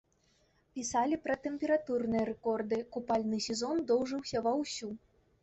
Пісалі пра тэмпературныя рэкорды, купальны сезон доўжыўся ва ўсю.